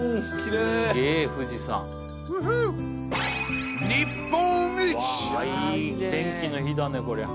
いい天気の日だねこりゃ。